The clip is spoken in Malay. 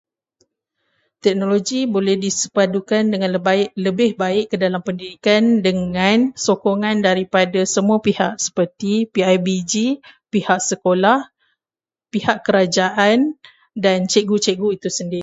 Teknologi boleh disepadukan dengan baik- lebih baik ke dalam pendidikan dengan sokongan daripada semua pihak, seperti PIBG, pihak sekolah, pihak kerajaan dan cikgu-cikgu itu sendiri.